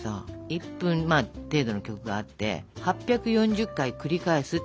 １分程度の曲があって８４０回繰り返すっていう曲なのよ。